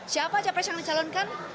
siapa capres yang dicalonkan